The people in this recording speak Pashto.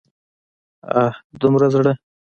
اه! دومره زړه!